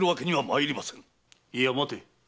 いや待て。